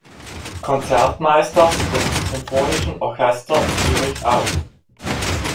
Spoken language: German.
Konzertmeisters des Symphonischen Orchester Zürich auf.